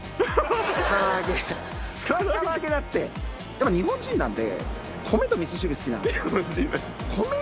やっぱ日本人なので米とみそ汁好きなので。